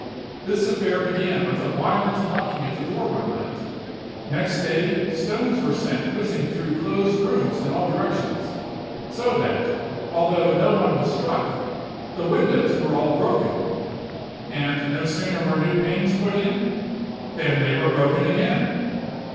This affair began with a violent knocking at the door one night; next day stones were sent whizzing through closed rooms in all directions, so that, although no one was struck, the windows were all broken; and no sooner were new panes put in, than they were broken again.